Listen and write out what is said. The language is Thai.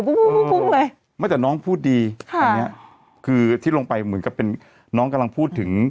พวงเลยก็จะน้องผู้ดีค่ะคนเชอดลงไปเหมือนกับเป็นน้องกำลังพูดถึง